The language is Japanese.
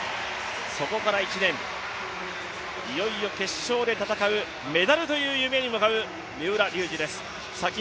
そこから１年、いよいよ決勝で戦う、メダルという夢に向かう三浦龍司です。